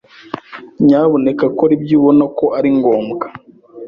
Nyamuneka kora ibyo ubona ko ari ngombwa.